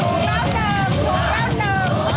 หนอยไม่ให้เอ็ง